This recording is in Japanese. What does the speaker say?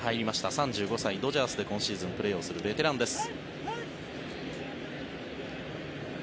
３５歳、ドジャースで今シーズンプレーをするベテランです。